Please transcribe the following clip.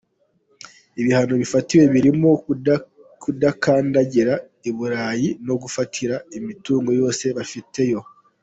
Ibihano bafatiwe birimo kudakandagira i Burayi no gufatira imitungo yose bafiteyo.